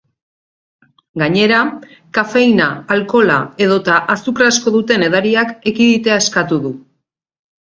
Gainera, kafeina, alkohola edota azukre asko duten edariak ekiditea eskatu du.